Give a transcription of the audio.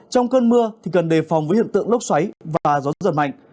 trong cơn mưa thì cần đề phòng với hiện tượng lốc xoáy và gió giật mạnh